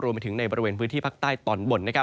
ไปถึงในบริเวณพื้นที่ภาคใต้ตอนบน